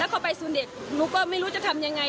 เข้าไปสู่เด็กหนูก็ไม่รู้จะทำยังไง